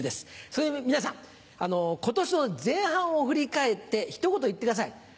そこで皆さん今年の前半を振り返ってひと言言ってください。